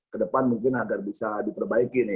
ke depan mungkin agar bisa diperbaiki